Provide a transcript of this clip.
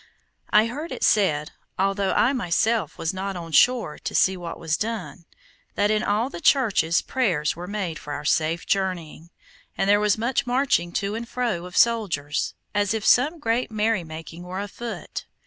I heard it said, although I myself was not on shore to see what was done, that in all the churches prayers were made for our safe journeying, and there was much marching to and fro of soldiers, as if some great merrymaking were afoot.